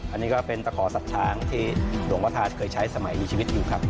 อันนี้ก็เป็นตะขอสัตว์ช้างที่หลวงพระธาตุเคยใช้สมัยมีชีวิตอยู่ครับ